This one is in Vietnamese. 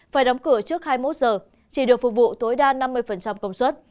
phải đóng cửa trước hai mươi một giờ chỉ được phục vụ tối đa năm mươi công suất